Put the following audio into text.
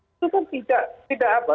itu kan tidak apa